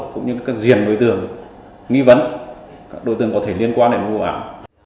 cũng như các diện đối tượng nghi vấn các đối tượng có thể liên quan đến vụ án